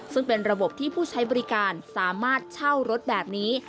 ซึ่งเป็นระบบที่ผู้ใช้บริการสามารถเช่ารถแบบนี้